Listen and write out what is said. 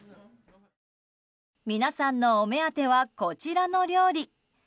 皆さんのお目当てはこちらの料理。